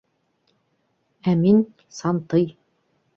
Ә мин, сантый...